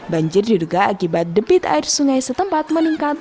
banjir diduga akibat debit air sungai setempat meningkat